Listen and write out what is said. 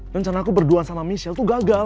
rencana aku berdua sama michelle tuh gagal